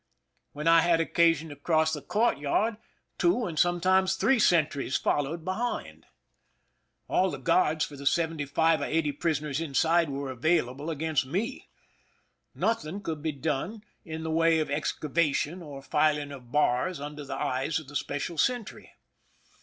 When I had occasion to cross the 240 PRISON LIFE THE SIEGE courtyard, two and sometimes three sentries fol lowed behind. All the guards for the seventy five or eighty prisoners inside were available against me. Nothing could be done in the way of excava tion or filing of bars under the eyes of the special sentry.